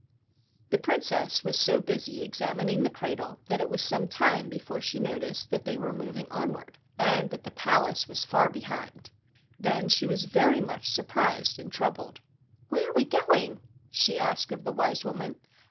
The Princess was so busy examining the So AN EAST INDIAN STORY cradle that it was some time before she noticed that they were moving onward and that the palace was far behind. Then she was very much surprised and troubled. "Where are we going ?" she asked of the wise woman.